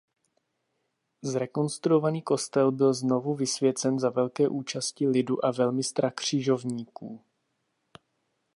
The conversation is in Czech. Zrekonstruovaný kostel byl znovu vysvěcen za velké účasti lidu a velmistra křižovníků.